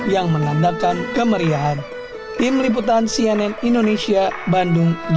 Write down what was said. yang mengandalkan kemeriahan